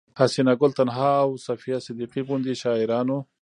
حسينه ګل تنها او صفيه صديقي غوندې شاعرانو